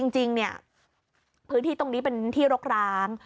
จริงเนี่ยพื้นที่ตรงนี้เป็นที่รกร้าง